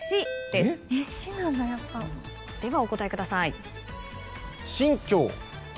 ではお答えください。